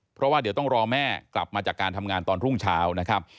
เพราะว่าเดี๋ยวต้องรอแม่กลับมาจากการทำงานตอนรุ่งเช้านะครับ